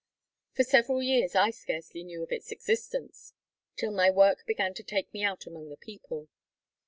For several years I scarcely knew of its existence till my work began to take me out among the people.